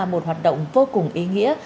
một hoạt động vô cùng ý nghĩa